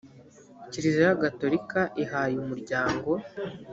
kiliziya gatolika ihaye umuryango